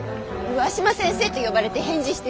上嶋先生って呼ばれて返事してる。